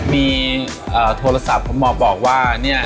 มีโทรศัพท์ผมมาบอกว่าเนี่ย